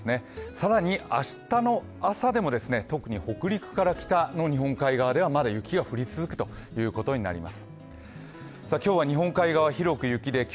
更に明日の朝でも、特に北陸から北の日本海側ではまだ雪が降り続くということになります。